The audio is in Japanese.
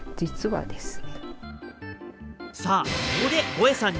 実はですね